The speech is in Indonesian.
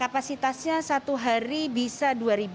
kapasitasnya satu hari bisa dua